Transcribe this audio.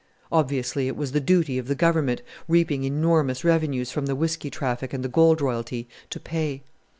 Obviously it was the duty of the Government, reaping enormous revenues from the whisky traffic and the gold royalty, to pay.